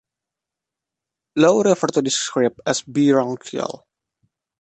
Lowe refers to this script as "b-r uncial".